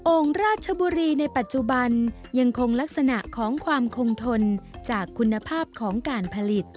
ราชบุรีในปัจจุบันยังคงลักษณะของความคงทนจากคุณภาพของการผลิต